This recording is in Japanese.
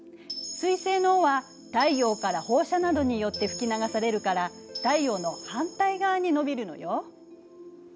彗星の尾は太陽から放射などによって吹き流されるから太陽の反対側に延びるのよ。